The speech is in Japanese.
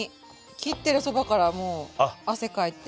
切ってるそばからもう汗かいて。